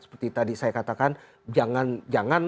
seperti tadi saya katakan jangan jangan